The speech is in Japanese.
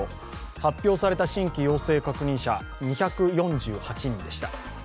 発表された新規陽性確認者２４８人でした。